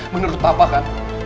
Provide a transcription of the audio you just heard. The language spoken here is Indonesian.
menurut papa kan